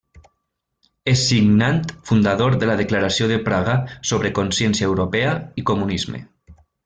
És signant fundador de la Declaració de Praga sobre Consciència Europea i Comunisme.